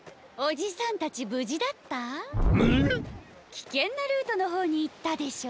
きけんなルートのほうにいったでしょ。